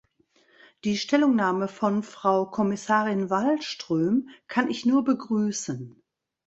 Die Stellungnahme von Frau Kommissarin Wallström kann ich nur begrüßen.